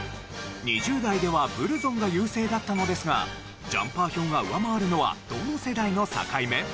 ２０代ではブルゾンが優勢だったのですがジャンパー票が上回るのはどの世代の境目？